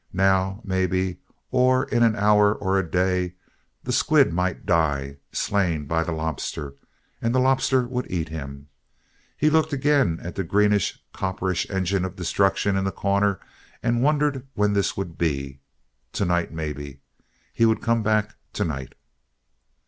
Now, maybe, or in an hour or a day, the squid might die, slain by the lobster, and the lobster would eat him. He looked again at the greenish copperish engine of destruction in the corner and wondered when this would be. To night, maybe. He would come back to night.